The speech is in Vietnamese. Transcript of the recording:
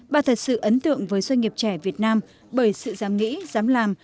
bà thật sự ấn tượng với doanh nghiệp trẻ việt nam bởi sự dám nghĩ dám làm